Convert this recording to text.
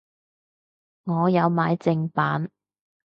我有買正版